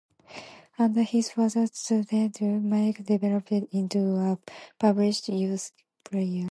Under his father's tutelage, Mike developed into a polished youth player.